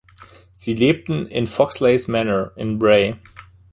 Sie lebten in Foxley's Manor in Bray.